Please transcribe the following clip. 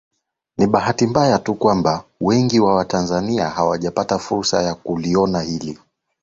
Ni bahati mbaya tu kwamba wengi wa Watanzania hawajapata fursa ya kuliona hilo